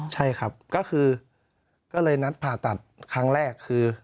ใช่ครับก็คือก็เลยนัดผ่าตัดครั้งแรกคือ